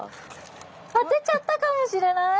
当てちゃったかもしれない？